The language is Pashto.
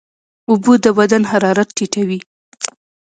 اوبه د بدن حرارت ټیټوي.